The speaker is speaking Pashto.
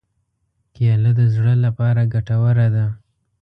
کېله د زړه لپاره ګټوره ده.